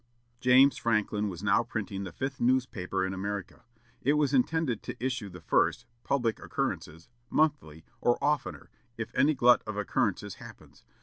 James Franklin was now printing the fifth newspaper in America. It was intended to issue the first Publick Occurrences monthly, or oftener, "if any glut of occurrences happens."